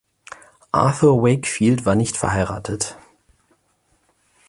Arthur Wakefield war nicht verheiratet.